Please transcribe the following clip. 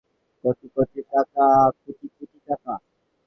চিনিকল সূত্রে জানা গেছে, আখচাষিদের এখন পর্যন্ত প্রায় তিন কোটি টাকা বকেয়া রয়েছে।